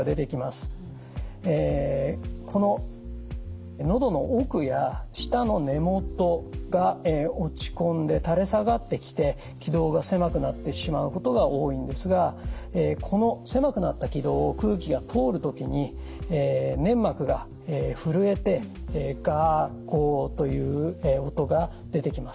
こののどの奥や舌の根もとが落ち込んで垂れ下がってきて気道が狭くなってしまうことが多いんですがこの狭くなった気道を空気が通る時に粘膜が震えて「ガ」「ゴ」という音が出てきます。